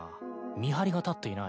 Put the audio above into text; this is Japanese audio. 見張りが立っていない。